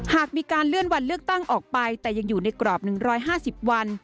หากมีการเลื่อนวันเลือกตั้งออกไปแต่ยังอยู่ในกรอบ๑๕๐วัน